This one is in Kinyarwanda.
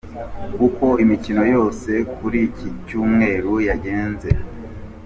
Uko imikino yose yo kuri iki cyumweru yagenze.